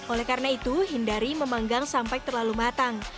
oleh karena itu hindari memanggang sampai terlalu matang